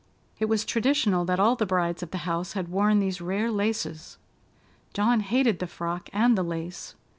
It was traditional that all the brides of the house had worn these rare laces. Dawn hated the frock and the lace.